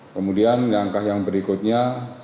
kemudian langkah yang berikutnya